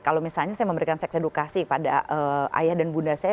kalau misalnya saya memberikan seks edukasi pada ayah dan bunda saya